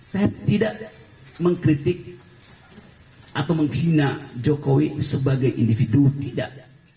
saya tidak mengkritik atau menghina jokowi sebagai individu tidak